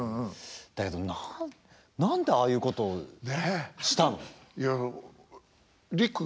だけど何でああいうことをしたの？